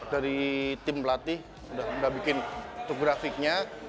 dari tim pelatih sudah bikin untuk grafiknya